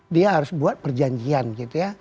dia harus buat perjanjian gitu ya